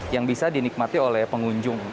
yang bisa dinikmati oleh pengunjung